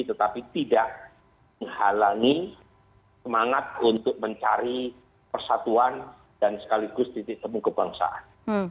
tetapi tidak menghalangi semangat untuk mencari persatuan dan sekaligus titik temu kebangsaan